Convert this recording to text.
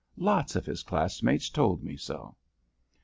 Lots of his classmates told me so."